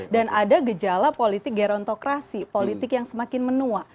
dan ada gejala politik gerontokrasi politik yang semakin menua